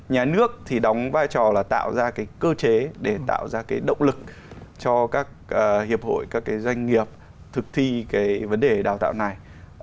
nhà nước thì đóng vai trò là tạo ra cái cơ chế để tạo ra cái động lực cho các hiệp hội các cái doanh nghiệp thực thi cái vấn đề đào tạo này